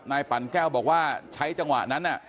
ปั่นแก้วบอกว่าใช้จังหวะนั้น